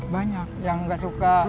banyak yang nggak suka